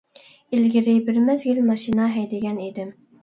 ئىلگىرى بىر مەزگىل ماشىنا ھەيدىگەن ئىدىم.